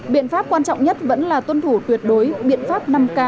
biện pháp quan trọng nhất vẫn là tuân thủ tuyệt đối biện pháp năm k